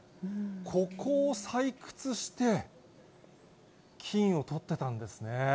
ここを採掘して、金を取ってたんですね。